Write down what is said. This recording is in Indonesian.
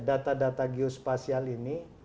data data geospasial ini